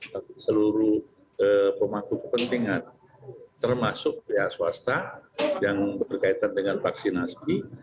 tapi seluruh pemangku kepentingan termasuk pihak swasta yang berkaitan dengan vaksinasi